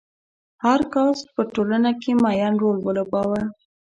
هر کاسټ په ټولنه کې معین رول ولوباوه.